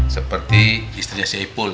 seperti istrinya syaiful